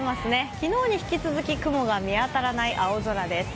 昨日に引き続き雲が見当たらない青空です。